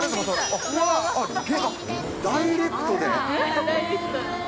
あっ、ダイレクトで。